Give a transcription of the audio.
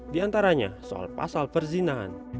di antaranya soal pasal perzinaan